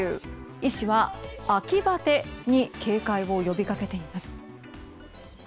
医師は、秋バテに警戒を呼びかけています。